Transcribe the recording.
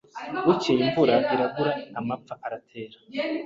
Bukeye imvura irabura amapfa aratera